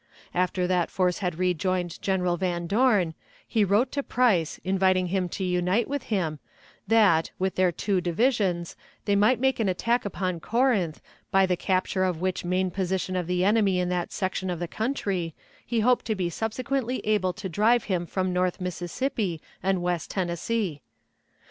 After that force had rejoined General Van Dorn, he wrote to Price, inviting him to unite with him, that, with their two divisions, they might make an attack upon Corinth, by the capture of which main position of the enemy in that section of the country he hoped to be subsequently able to drive him from north Mississippi and West Tennessee.